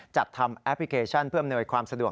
จัดทำแอปพลิเคชันเพื่ออำนวยความสะดวก